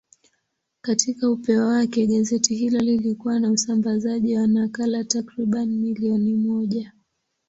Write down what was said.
Katika upeo wake, gazeti hilo lilikuwa na usambazaji wa nakala takriban milioni moja.